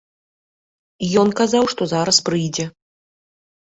Ён казаў, што зараз прыйдзе.